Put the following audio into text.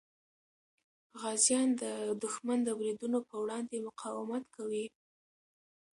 غازیان د دښمن د بریدونو په وړاندې مقاومت کوي.